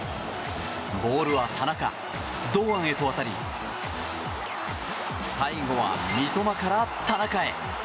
ボールは田中、堂安へと渡り最後は三笘から田中へ。